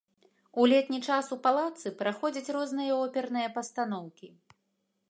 У летні час у палацы праходзяць розныя оперныя пастаноўкі.